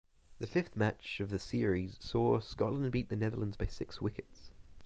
The fifth match of the series saw Scotland beat the Netherlands by six wickets.